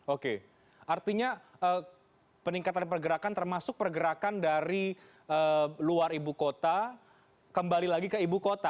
oke artinya peningkatan pergerakan termasuk pergerakan dari luar ibu kota kembali lagi ke ibu kota